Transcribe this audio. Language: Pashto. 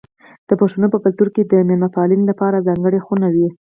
د پښتنو په کلتور کې د میلمه پالنې لپاره ځانګړې خونه وي.